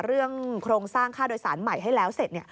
โครงสร้างค่าโดยสารใหม่ให้แล้วเสร็จ